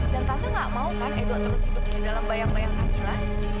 dan tante gak mau kan edo terus hidup di dalam bayang bayang kamila